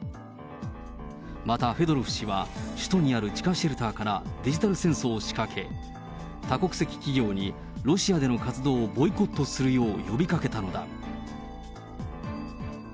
またフェドロフ氏は、首都にある地下シェルターから、デジタル戦争を仕掛け、多国籍企業に、ロシアでの活動をボイコットするよう呼びかけたのだ。